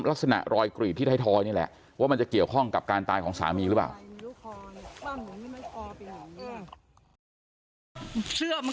ลักษณะรอยกรีดที่ไทยทอยนี่แหละว่ามันจะเกี่ยวข้องกับการตายของสามีหรือเปล่า